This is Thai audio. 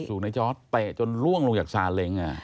สูงในจอร์ทไปจนล่วงลงจากชาเล้งอ่ะ